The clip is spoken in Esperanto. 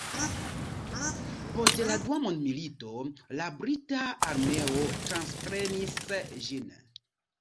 Post la dua mondmilito la brita armeo transprenis ĝin.